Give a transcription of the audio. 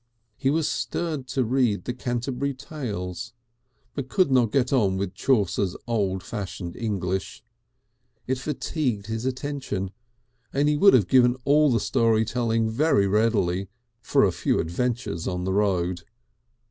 He was stirred to read the Canterbury Tales, but he could not get on with Chaucer's old fashioned English; it fatigued his attention, and he would have given all the story telling very readily for a few adventures on the road.